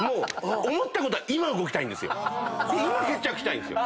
今決着したいんですよ。